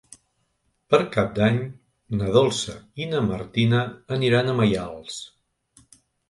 Per Cap d'Any na Dolça i na Martina aniran a Maials.